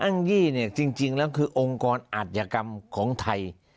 อ้างยี่จริงแล้วคือองค์กรอัดยกรรมของไทย